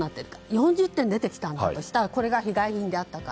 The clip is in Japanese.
４０点出てきたとしたらこれが被害品であったか。